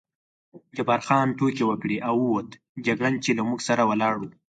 جبار خان ټوکې وکړې او ووت، جګړن چې له موږ سره ولاړ و.